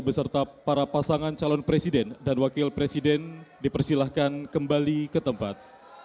beserta para pasangan calon presiden dan wakil presiden dipersilahkan kembali ke tempat